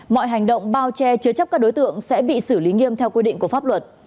mọi hành động bao che chứa chấp các đối tượng sẽ bị xử lý nghiêm theo quy định của pháp luật